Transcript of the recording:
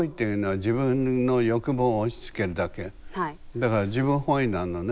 だから自分本位なのね。